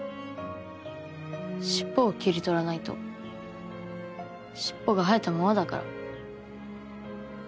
シッポを切り取らないとシッポが生えたままだから。